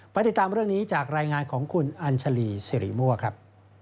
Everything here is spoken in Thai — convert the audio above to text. ติดตามเรื่องนี้จากรายงานของคุณอัญชาลีสิริมั่วครับ